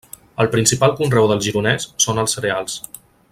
El principal conreu del Gironès són els cereals.